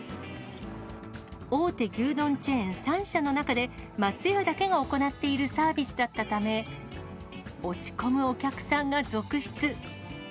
大手牛丼チェーン３社の中で松屋だけが行っているサービスだったため、落ち込むお客さんが続出。